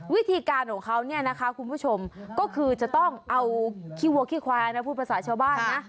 วิธีการของเขาเนี่ยนะคะคุณผู้ชมก็คือจะต้องเอาขี้วัวขี้แควร์นะพูดภาษาชาวบ้านนะ